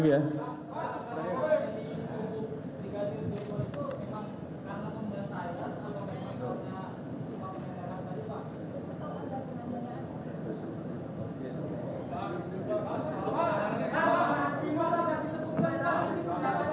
tim propam penembakan yang dilakukan